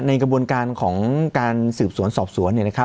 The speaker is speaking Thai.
ในกระบวนการของการสืบสวนสอบสวน